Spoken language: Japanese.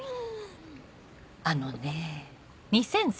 あのね。